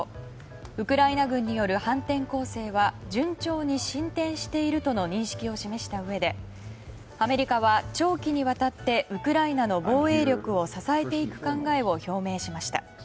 ウクライナ軍による反転攻勢は順調に進展しているとの認識を示したうえでアメリカは長期にわたってウクライナの防衛力を支えていく考えを表明しました。